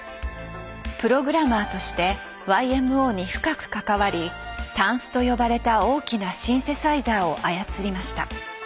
プログラマーとしてＹＭＯに深く関わり「タンス」と呼ばれた大きなシンセサイザーを操りました。